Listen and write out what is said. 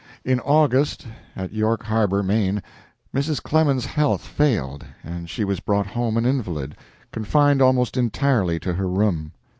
In August, at York Harbor, Maine, Mrs. Clemens's health failed and she was brought home an invalid, confined almost entirely to her room.